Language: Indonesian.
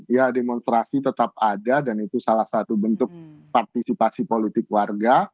ya demonstrasi tetap ada dan itu salah satu bentuk partisipasi politik warga